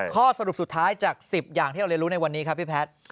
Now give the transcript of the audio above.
ข้อสรุปสุดท้ายจาก๑๐อย่างที่เราเรียนรู้ในวันนี้ครับพี่แพทย์